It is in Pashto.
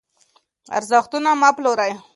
ارزښتونه مه پلورئ.